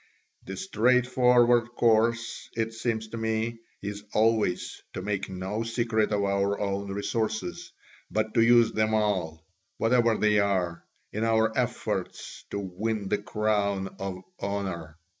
The straightforward course, it seems to me, is always to make no secret of our own resources, but to use them all, whatever they are, in our efforts to win the crown of honour.